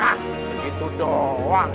ah segitu doang